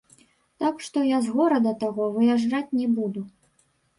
Так што я з горада таго выязджаць не буду.